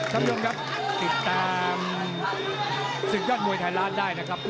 ท่านผู้ชมครับติดตามสุศลบวยธรรณได้นะครับ